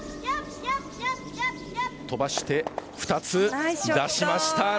飛ばして、２つ出しました。